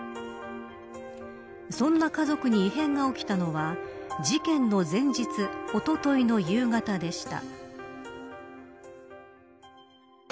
そんな家族に異変が起きたのは事件の前日おとといの夕方でした。